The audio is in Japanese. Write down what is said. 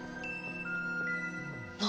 何？